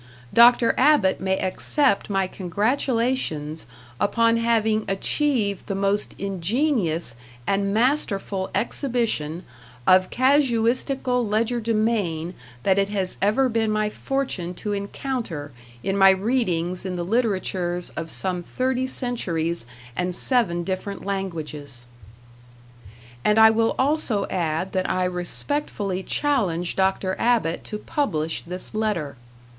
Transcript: Dr. Abbott may accept my congratulations upon having achieved the most ingenious and masterful exhibition of casuistical legerdemain that it has ever been my fortune to encounter in my readings in the literatures of some thirty centuries and seven different languages. And I will also add that I respectfully challenge Dr. Abbott to publish this letter.